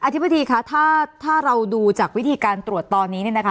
อธิบทีค่ะถ้าเราดูจากวิธีการตรวจตอนนี้